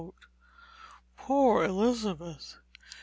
Poor Elizabeth!